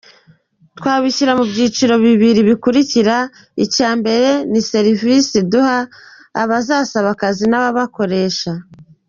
Twabishyira mu byiciro bibiri bikurikira : Icya mbere ni serivisi duha abasaba akazi n’abakoresha.